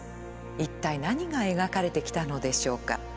一体何が描かれてきたのでしょうか。